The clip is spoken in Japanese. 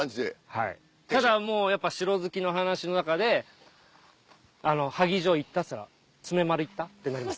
はいただもうやっぱ城好きの話の中で「萩城行った」っつったら「詰丸行った？」ってなります。